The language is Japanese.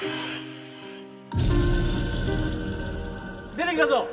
出てきたぞ！